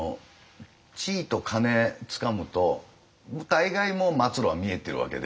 地位と金つかむと大概もう末路は見えてるわけで。